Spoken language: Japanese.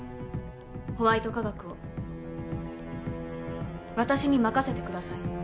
ホワイト化学を私に任せてください。